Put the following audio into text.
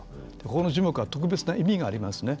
ここの樹木は特別な意味がありますね。